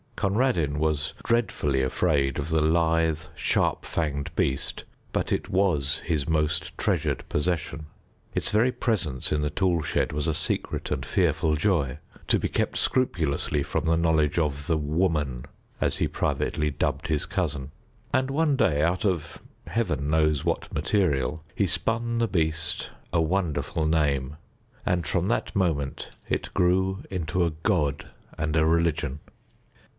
Conradin was dreadfully afraid of the lithe, sharp fanged beast, but it was his most treasured possession. Its very presence in the tool shed was a secret and fearful joy, to be kept scrupulously from the knowledge of the Woman, as he privately dubbed his cousin. And one day, out of Heaven knows what material, he spun the beast a wonderful name, and from that moment it grew into a god and a religion.